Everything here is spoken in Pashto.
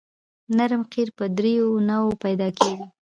نرم قیر په دریو نوعو پیدا کیږي